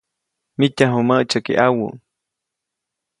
Mityaju mäʼtsyäki ʼawu.